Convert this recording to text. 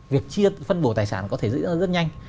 việc chia phân bổ tài sản có thể rất nhanh